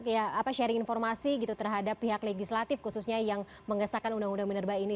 kayak apa sharing informasi gitu terhadap pihak legislatif khususnya yang mengesahkan undang undang minerba ini